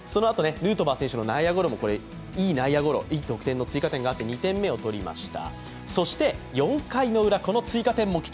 ヌートバー選手の内野ゴロ、いい得点の追加点があって２点を取りました。